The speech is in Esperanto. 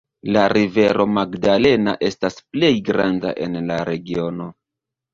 La rivero Magdalena estas plej granda en la regiono.